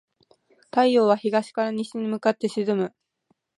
太陽は東から西に向かって沈む。